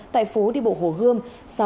tại phố đi bộ hồ gươm